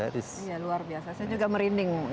iya luar biasa saya juga merinding